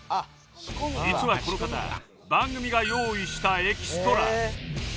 実はこの方番組が用意したエキストラ